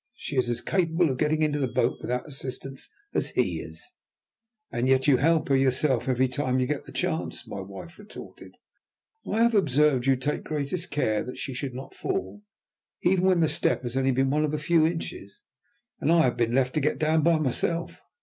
She is as capable of getting into the boat without assistance as he is." "And yet you help her yourself every time you get the chance," my wife retorted. "I have observed you take the greatest care that she should not fall, even when the step has been one of only a few inches, and I have been left to get down by myself.